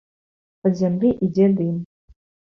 З-пад зямлі ідзе дым.